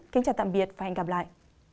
kính chào tạm biệt và hẹn gặp lại